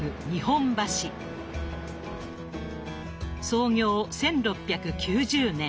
創業１６９０年。